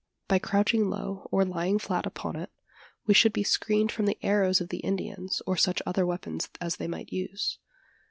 By crouching low, or lying flat upon it, we should be screened from the arrows of the Indians, or such other weapons as they might use.